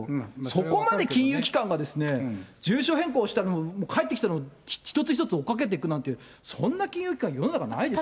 そこまで金融機関がですね、住所変更したのを、返ってきたの、一つ一つ追っかけていくなんて、そんな金融機関、世の中ないですよ。